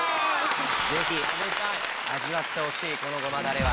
ぜひ味わってほしいこのごまだれは。